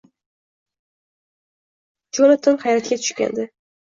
Jonatan hayratga tushgandi: